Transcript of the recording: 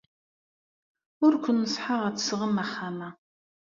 Ur ken-neṣṣḥeɣ ad d-tesɣem axxam-a.